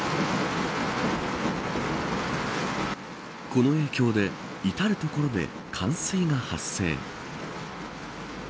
この影響で至る所で冠水が発生。